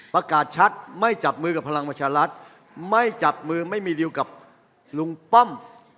ประกาศชัดไม่จับมือกับพลังประชารัฐไม่จับมือไม่มีริวกับลุงป้อม